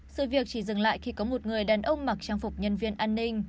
sự việc chỉ dừng lại khi có một người đàn ông mặc trang phục nhân viên an ninh